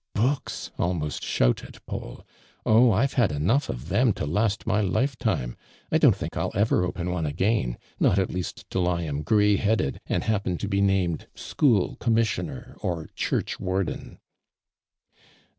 "' "Books," almost . hon ted Paul. "Oh I've had enough of tiiem to last my life time. I dont think HI ever open one again; not, ut least, till 1 am grny heiwled, and happen to be named silioul commis sioner, or church warden."